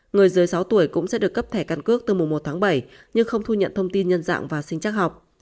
người dưới sáu tuổi cũng sẽ được cấp thẻ căn cước từ mùa một tháng bảy nhưng không thu nhận thông tin nhân dạng và sinh chắc học